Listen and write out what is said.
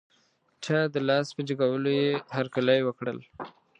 چا د لاس په جګولو یې هر کلی وکړ.